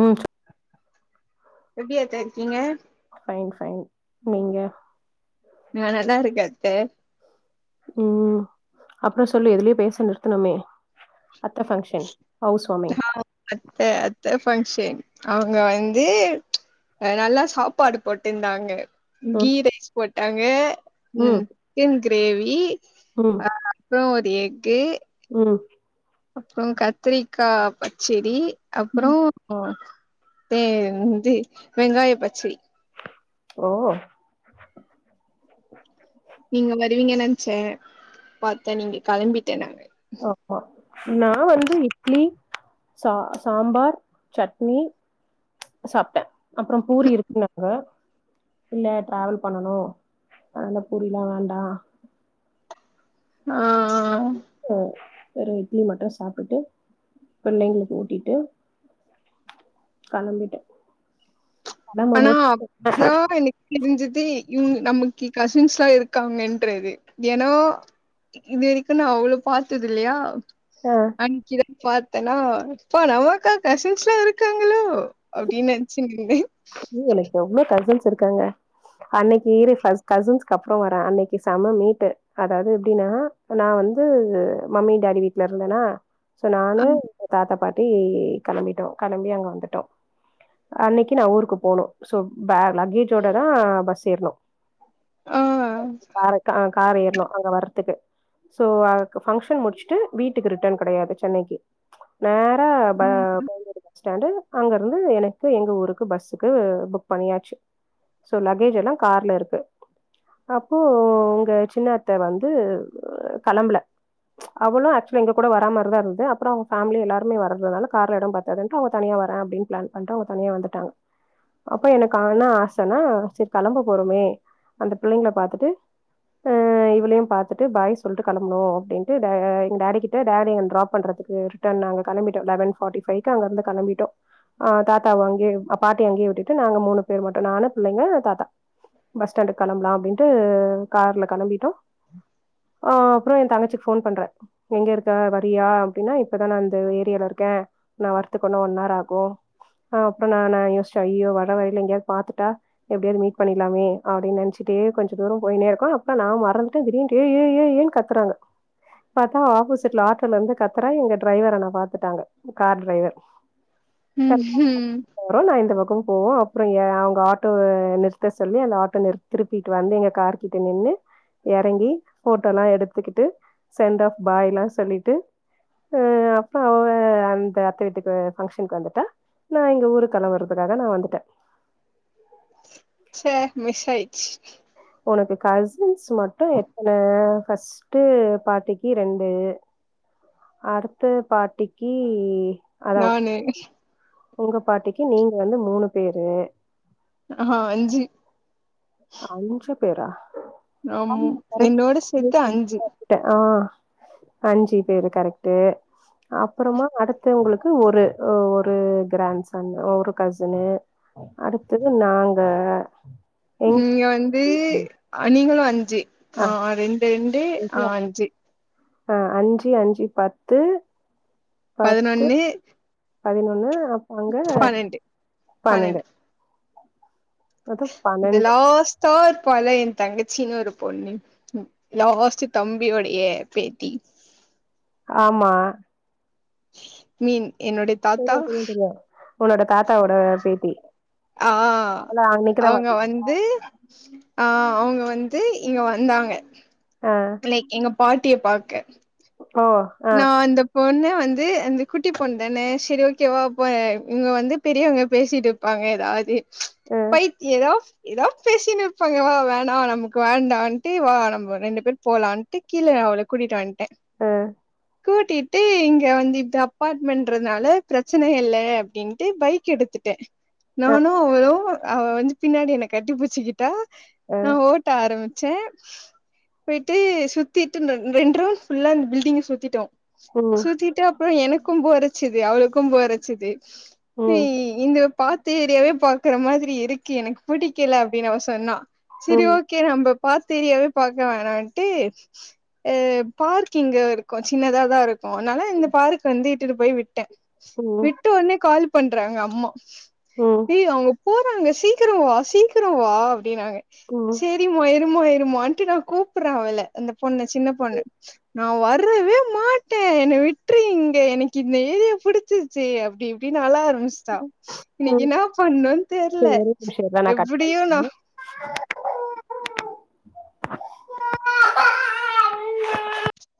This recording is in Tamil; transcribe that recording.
உம் எப்டி அத்த இருக்கீங்க பைன் பைன் நீங்க நா நல்லா இருக்கன் அத்த உம் அப்றோ சொல்லு எதுலயே பேச நிறுத்துனமே அத்த ஃபங்க்ஷன் ஹவுஸ் வார்மிங் ஆஹ அத்த அத்த பங்க்ஷன் அவங்க வந்து நல்லா சாப்பாடு போட்டிருந்தாங்க ம் கீ ரைஸ் போட் அங்கே ம் உம் ன் கிரேவி ம் அ அப்புறம் ஏக்கு ம்ம் அப்புறம் கத்திரிக்காய் பச்சடி ம் அப்றோம் வே வந்து வெங்காய பச்சடி ஓ நீங்க வருவீங்க நெனச்சேன் பாத்தேன் நீங்க கெளம்பி ஓஹோ நா வந்து இட்லி ச சாம்பார் சட்னி சாப்பிட்டேன் அப்பறம் பூரி இருக்குன்னாங்க இல்ல டிராவல் பண்ணனும் அதனால பூரில்லாம் வேண்டாம் ஆஹ் ஓ வெறும் இட்லி மட்டும் சாப்பிட்டுட்டு பிள்ளங்களுக்கு ஊட்டிட்டு கெளம்பிட்டேன் ஆனாக்கு தெரிஞ்சுது இவங்க நமக்கு கசின்ஸ் எலாம் இருக்காங்கன்றது ஏன்னா இது வரைக்கும் நான் அவ்ளவு பாத்தது இல்லயா ஆ அங்கதல் [unintelligible] பாத்தேன்னா இப்பா நம்மக்கா கசின்ஸ் எல்லாம் இருக்காங்களோ அப்டின்னு நெனச்சினு இருந்தேன் உனக்கு எவ்ளோ கசின்ஸ் இருக்காங்க அன்னைக்கு ஈரு கசின்ஸு அப்பறம் வரேன் அன்னைக்கு செம்ம மீட் அதாவது எப்டின்னா நான் வந்து மம்மி டாடி வீட்டுல இருந்தேன்னா சோ நானு ம். தாத்தா பாட்டி கிளம்பிட்டோம் கிளம்பி அங்க வந்துட்டோம் அன்னை ந ஊரு ஊருக்கு போணோம் சோ பே லக்கேஜோட தான் பஸ் ஏரணும் ஆ. காரஹ் கார ஏறணும் அங்க வர்றதுக்கு சோ அதுக் ஃபங்ஷன் முடிச்சுட்டு வீட்டுக்கு ரிட்டர்ன் கெடயாது சென்னைக்கு ந ம். [unintelligible] பஸ்டான்டு அங்க இருந்து எனக்கு எங்க ஊருக்கு பஸ் இதுக்கு புக் பண்ணியாச்சு சோ லக்கேஜ் எலாம் கார்ல இருக்கு அப்போ உங்க சின்னத்த வந்து களம்பல அவளும் ஆக்சுல எங்க கூட வரா மாரிதான் இருந்தது அப்ரோ அவங்க ஃபேமிலி எல்லாரும் வரதனால மாரி இருந்தது கார்ல எடம் பத்தாதுனு தனியா வரேன் ஃப்ளான் பண்ணிட்டுஅவங்க தனியா வந்துட்டாங்க அப்ப எனக்கு ஆன ஆசன்னா சரி கெளம்ப போறோமே அந்த பிள்ளங்கள பாத்துட்டு அஹ இவளயும் பாத்துட்டு பாய் சொல்லிட்டு கெளம்பனும் அப்டின்ட்டு எங்க கிட்ட ட டாப் பண்றதுக்கு ட்ட அங்க கிம்பிட்டோம் லெவன்பார்டி பைவ் அங்க இருந்து கிம்பிட்டோம்ஹ் தாத்தா வாங்கி பாட்டி அங்கே விட்டுட்டு நாங்க மூணு பே மாட்டோம் நானு பிள்ளங்க தாத்தா பஸ் ஸ்டாண்டுக்கு கிளம்பலாம் அப்டின்ட்டு கார்ல கிளம்பிட்டோம் அஹ் அப்பறம் என் தங்கச்சிக்கு போன் பண்றேன் எங்க இருக்கா வரியா அப்டின்னா இப்பதான் நான் அந்த ஏரியில இருக்கேன் நான் வத்துக்க ஒன் ஆர் ஆகும் அப்பறம் ந ஒசையோ வரவழியில எங்கேயாது பாத்துட்டா எப்டியாவது மீட் பண்ணியறலாமேப்பின்னு நெனச்சுட்டே கொஞ்சம்தூரம் போய்னு இருகோம் அப்ப ந மறந்துட்டே திடீன்னு கத்துறாங்க பாத்தா ஆப்போசிட்ல ஆட்டோல இருந்து கத்துறா எங்க டிரைவரன்னா பாத்துட்டாங்க கார் டிரைவர் உஹம் உம் அந்த பக்கம் போவோம் அப்ரோ ய அவங்க ஆட்டோவநிறுத்த சொல்லி அந்த ஆட்டோ திருப்பிட்டு வந்து இறங்கி கார் கிட்ட நின்னு இறங்கி ஃபோட்டோல எடுத்துகிட்டு சென்ட் ஆஃப் பாய் எலாம்சொல்லிட்டு அப்ப அந்த அத்த வீட்டுக்கு ஃபங்சனுக்கு வந்திட்டா ந எங்க ஊருக்கு கெளம்பறதுக்காக நான் வந்துட்டேன் ச மிஸ்ஆயிருச்சு உனக்கு கசின்ஸ் மட்டும் எத்தன ஃபர்ஸ்ட்டு பாட்டிக்கு ரெண்டு அடுத்த பாட்டிக்கு அதா நானே உங்க பாட்டிக்கு நீங்க வந்து மூணு பேரு ஹ ஹஅஞ்சு பேறா ஆமா என்னோட சேத்து அஞ்சு ஆ அஞ்சு பேரு கரெக்டு அப்புறமா அடுத்தவங்களுக்கு ஒரு ஒரு கிராண்ட்சன் ஒரு கசனு அடுத்த நாங்க எங் நீங்க வந்து நீங்களும் வந்து ஆ ஆஹ் ரெண்டு டே ஆஞ்சி அஹ் அஞ்சு அஞ்சு பத்து பத்து பதினொன்னு பதினொன்னு அப்ப அங்க பனெண்டு பன்னெண்டு மொத்தோ த பன்னெண்டு லா ஸ்டார் ப்பால என் தங்கச்சின்னு ஒரு பொண்ணு லாஸ்ட் தம்பியோடைய பேத்தி ஆமா மீன் என்னுடைய தாத்தா தெரியு தெரியு தெரியு உன்னோட தாத்தாவோட பேத்தி ஆஹ் அவள அன்னைக்குதா அவங்க பாத்தே வந்து ஆஹ் அவங்க வந்து இங்க வந்தாங்க ஆ பிள்ளை எங்க பாட்டிய பாக்க ஓ ஆஹ் பொண்ணு வந்து அந்த குட்டி பொண்ணு தானே சரி ஓகேவாப்ப இங்க வந்து பெரியவங்க பேசிட்டு இருப்பாங்க ஏதாவது அ பைத்த ஏதோ ஏதாவது பேசின்னு இப்பாங்க வா வேணாம் நமக்கு வேண்டாம்ட்டு வா நம்ம ரெண்டு பேர் போலான்ட்டு கீழே நான் அவள கூட்டிட்டு வந்ட்டேன் உம் கூட்டிட்டு இங்க வந்து இப்ப அப்பார்ட்மெண்ட்றதுனால பிரச்சன இல்ல அப்படின்ட்டு பைக் எடுத்துட்டேன் அ நானு அவளும் அவ வந்து பின்னாடி என கட்டிபுச்சிகிட்டா அ நா ஓட்ட ஆரம்பித் ச்ச போயிட்டு சுத்திட்டு மெட்ராஸ் எல்லா பில்டிங் சுத்திட்டு ட்டோம் ம் சுத்திட்டப் அப்புறோ எனக்கும் போர் அச்சிது அவளுக்கும் போர் அச்சிது ம் இந்த பாத்து ஏரியாவே பாக்கற மாதிரி இருக்கு எனக்கு புடிக்கல அப்டின்னு அவ சொன்னா சரி ம் ஓகே நம்பப் பாத்த ஏரியாவே பாக்க வேணான்ட்டு ஆ பார்க்கிங்க கொஞ்சோ சின்ன தா இருக் உன்னால இந்த பாருக்கு வந்து இது போய் விட் ட ம் விட்டே ஒன்னே கால்ப் பண்றாங்க அம்மா ம் ஹே அவுங்க போறாங்க சீக்கிரவா சீக்கிரவா அப்டினாங்க ம் செரி மொய இருமா இருமா ன்ட்டு நா கூப்புற அவல அந்த பொண்ணு சின்ன பொண்ணு நா வர் வே மாட்டேன் என்ன விட்ரு இங்க எனக்கு இந்த ஏரியா புடிச்சிருச்சி அப்டி இப்டினு அல ஆரம்- பிச்சிட்டா இன்னிக்கு ம் என்னா பண்ணோனு தெரில சரி ஒரே நிமிஷோ இரு நா கட் எப்டியும் நா பண்றே